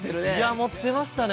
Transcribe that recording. もってましたね